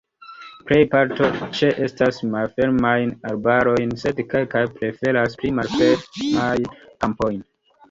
Plej parto ĉeestas malfermajn arbarojn, sed kelkaj preferas pli malfermajn kampojn.